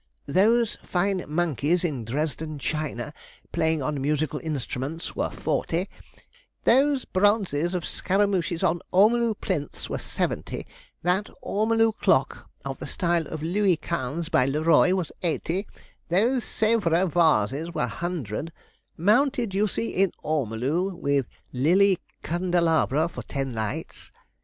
Those fine monkeys in Dresden china, playing on musical instruments, were forty; those bronzes of scaramouches on ormolu plinths were seventy; that ormolu clock, of the style of Louis Quinze, by Le Roy, was eighty; those Sèvres vases were a hundred mounted, you see, in ormolu, with lily candelabra for ten lights.